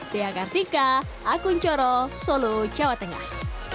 di akartika akun coro solo jawa tengah